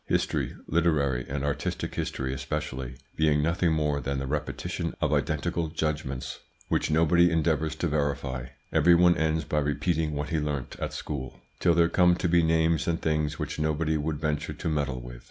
History, literary and artistic history especially, being nothing more than the repetition of identical judgments, which nobody endeavours to verify, every one ends by repeating what he learnt at school, till there come to be names and things which nobody would venture to meddle with.